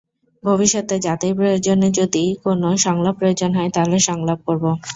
ভবিষ্যতে জাতির প্রয়োজনে যদি কোনো সংলাপ প্রয়োজন হয়, তাহলে সংলাপ করব।